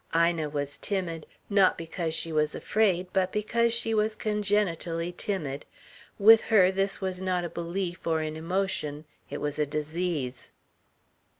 Ina was timid not because she was afraid but because she was congenitally timid with her this was not a belief or an emotion, it was a disease.